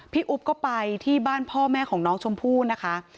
อุ๊บก็ไปที่บ้านพ่อแม่ของน้องชมพู่นะคะ